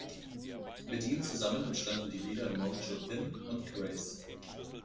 Mit ihm zusammen entstanden die Lieder "Mojo Pin" und "Grace".